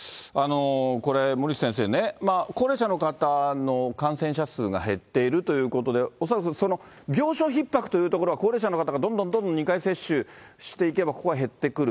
これ、森内先生ね、高齢者の方の感染者数が減っているということで、恐らく、病床ひっ迫というところは、高齢者の方がどんどんどんどん２回接種していけば、ここは減ってくる。